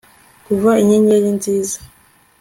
kuva inyenyeri nziza